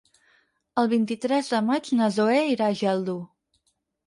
El vint-i-tres de maig na Zoè irà a Geldo.